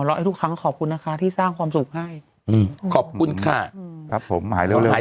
แล้วทุกครั้งขอบคุณนะคะที่สร้างความสุขให้อืมขอบคุณค่ะครับผมหายเร็วหาย